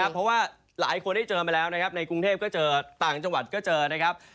เพราะว่าหลายคนได้เจอมาแล้วนะครับในกรุงเทพก็เจอต่างจังหวัดก็เจอนะครับ